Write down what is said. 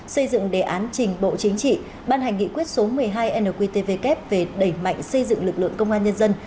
xây dựng đề án trình bộ chính trị ban hành nghị quyết số một mươi hai nqtvk về đẩy mạnh xây dựng lực lượng công an nhân dân